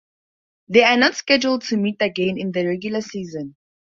They are not scheduled to meet again in the regular season.